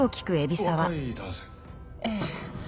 ええ。